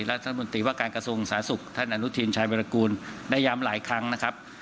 รัฐมนตรีว่าการกระทรวงสาธารณสุขท่านอนุทินชายวิรากูลได้ย้ำหลายครั้งนะครับ